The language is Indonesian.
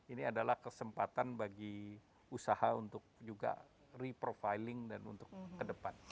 ini adalah kesempatan bagi usaha untuk juga reprofiling dan untuk ke depan